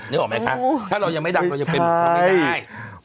นึกออกไหมคะถ้าเรายังไม่ดังเรายังเป็นเขาไม่ได้